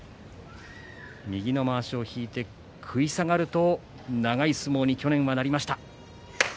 右のまわしを引いて食い下がると長い相撲になります。